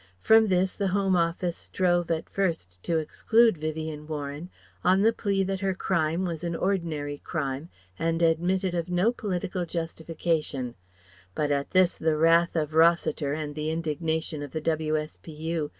From this the Home Office strove at first to exclude Vivien Warren on the plea that her crime was an ordinary crime and admitted of no political justification; but at this the wrath of Rossiter and the indignation of the W.S.P.U.